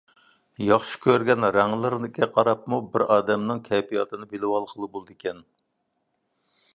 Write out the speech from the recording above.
ياخشى كۆرگەن رەڭلىرىگە قاراپمۇ بىر ئادەمنىڭ كەيپىياتىنى بىلىۋالغىلى بولىدىكەن.